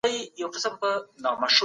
د حکومت مطالبه د خير لپاره وي.